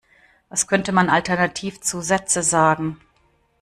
Was könnte man alternativ zu Sätze sagen?